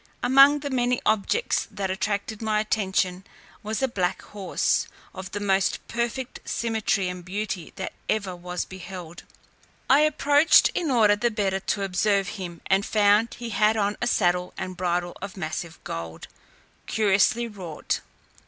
Among the many objects that attracted my attention was a black horse, of the most perfect symmetry and beauty that ever was beheld. I approached in order the better to observe him, and found he had on a saddle and bridle of massive gold, curiously wrought.